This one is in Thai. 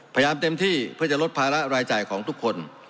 พยายามเต็มที่เพื่อจะลดภาระรายจ่ายของทุกคน